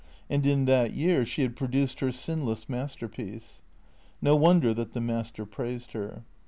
And in that year she had produced her sinless masterpiece. No wonder that the Master praised her.